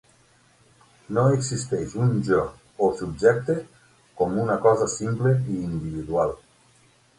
No existeix un jo o subjecte com una cosa simple i individual.